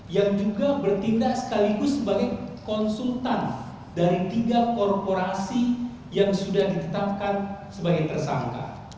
yang juga bertindak sekaligus sebagai konsultan dari tiga korporasi yang sudah ditetapkan sebagai tersangka